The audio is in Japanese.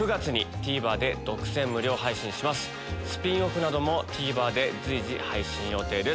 スピンオフもＴＶｅｒで随時配信予定です。